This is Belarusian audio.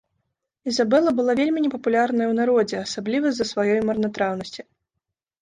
Ізабела была вельмі непапулярная ў народзе, асабліва з-за сваёй марнатраўнасці.